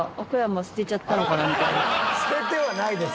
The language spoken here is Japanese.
捨ててはないです